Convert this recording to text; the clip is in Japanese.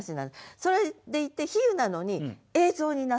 それでいて比喩なのに映像になっている。